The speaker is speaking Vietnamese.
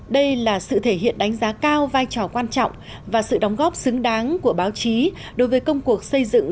đây là sự thể hiện đánh giá cao vai trò quan trọng và sự đóng góp xứng đáng của báo chí đối với công cuộc xây dựng